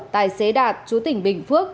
tài xế đạt chú tỉnh bình phước